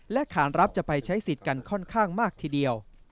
และขานรับจะไปใช้สิทธิ์กันค่อนข้างมากทีเดียว